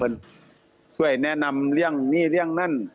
ช่วยแนะนำเรื่องหนี้เรื่องนั่น